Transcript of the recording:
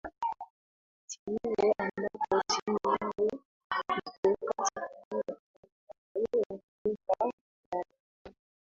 ti huo ambapo nchi hiyo iko katika mchakato wa kura ya maoni